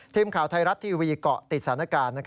ทีมข่าวไทยรัฐทีวีเกาะติดสถานการณ์